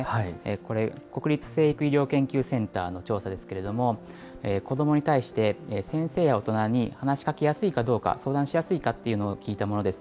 これ、国立成育医療研究センターの調査ですけれども、子どもに対して、先生や大人に話しかけやすいかどうか、相談しやすいかっていうのを聞いたものです。